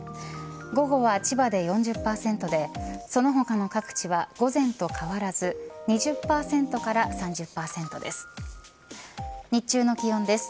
午後は千葉で４０％でその他の各地は午前と変わらず２０％から３０％です。